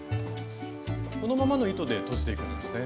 このままの糸でとじていくんですね。